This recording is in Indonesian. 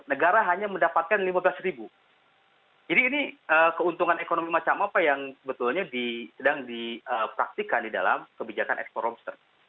negara hanya mendapatkan lima belas ribu jadi ini keuntungan ekonomi macam apa yang sebetulnya sedang dipraktikan di dalam kebijakan ekspor lobster